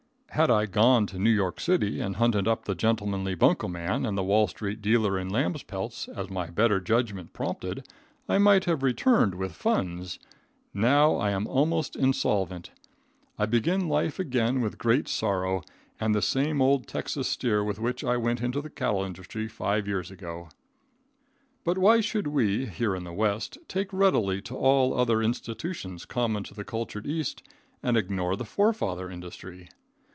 Had I gone to New York City and hunted up the gentlemanly bunko man and the Wall street dealer in lamb's pelts, as my better judgment prompted, I might have returned with funds. Now I am almost insolvent. I begin life again with great sorrow, and the same old Texas steer with which I went into the cattle industry five years ago." But why should we, here in the West, take readily to all other institutions common to the cultured East and ignore the forefather industry?